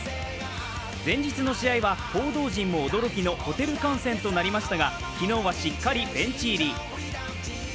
前日の試合は報道陣も驚きのホテル観戦となりましたが昨日はしっかりベンチ入り。